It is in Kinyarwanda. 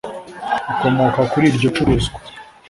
ikomoka kuri iryo curuzwa